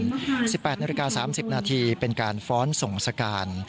๑๘นาฬิกา๓๐นาทีเป็นการฟ้อนส่งสการ